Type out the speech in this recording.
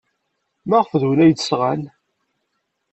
Maɣef d win ay d-sɣan?